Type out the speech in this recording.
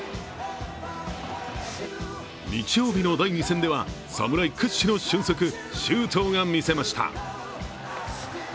日曜日の第２戦では、侍屈指の駿足・周東が見せました。